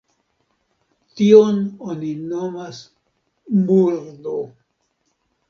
Tion oni nomas murdo.